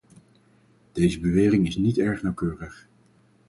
Deze bewering is niet erg nauwkeurig.